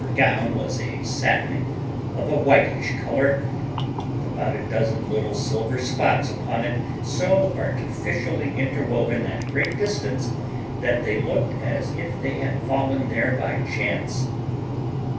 Her gown was a satin of a whitish colour, with about a dozen little silver spots upon it, so artificially interwoven at great distance, that they looked as if they had fallen there by chance.